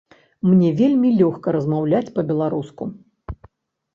Мне вельмі лёгка размаўляць па-беларуску.